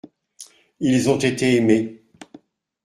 Ils ont été aimés.